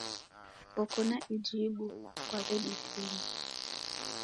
Koko na ijibu, kwaweditima.